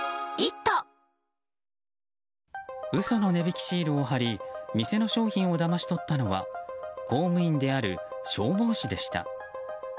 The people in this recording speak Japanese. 嘘の値引きシールを貼り店の商品をだまし取ったのは公務員である消防士でした。